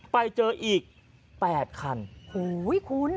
ไปเจออีก๘คัน